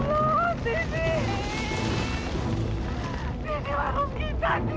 orang kita tidak setentu wajib ya bu